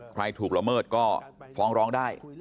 ใครถูกละเมิดก็ฟ้องร้องได้